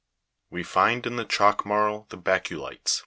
We find in the chalk marl the bacilli' tes (fig.